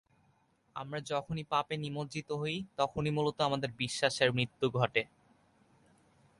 আমরা যখনই পাপে নিমজ্জিত হই, তখনই মূলত আমাদের বিশ্বাসের মৃত্যু ঘটে।